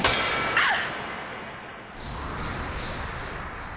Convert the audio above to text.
あっ。